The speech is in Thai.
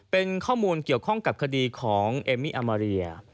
เป็นข้อมูลเกี่ยวข้องกับคดีของเอมมี่อามาเรีย